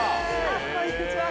こんにちは。